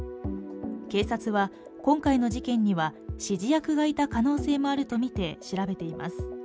警察は、今回の事件には指示役がいた可能性もあるとみて調べています。